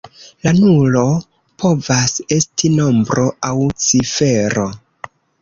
La nulo povas esti nombro aŭ cifero.